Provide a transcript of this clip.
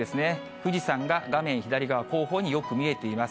富士山が画面左側後方によく見えています。